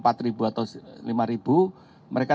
atau lima mereka